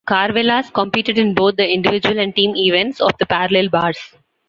Karvelas competed in both the individual and team events of the parallel bars.